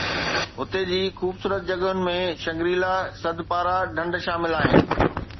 هتي جي خوبصورت جڳهن ۾ شنگري لا، سدپارا ڍنڍ شامل آهن